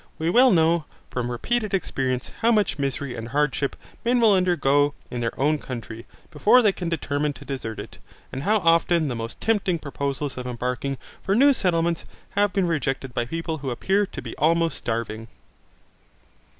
We well know, from repeated experience, how much misery and hardship men will undergo in their own country, before they can determine to desert it; and how often the most tempting proposals of embarking for new settlements have been rejected by people who appeared to be almost starving.